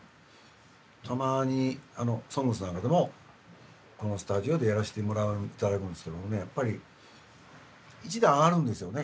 たまに「ＳＯＮＧＳ」なんかでもこのスタジオでやらせて頂くんですけどもやっぱり一段上がるんですよね